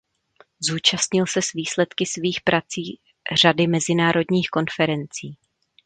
Zúčastnil se s výsledky svých prací řady mezinárodních konferencí.